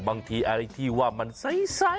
บางทีไอ้ที่ว่ามันใส